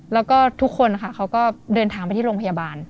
แล้วก็ทุกคนค่ะเขาก็เดินทางไปที่โรงพยาบาล